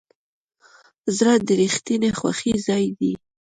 زړه د رښتینې خوښۍ ځای دی.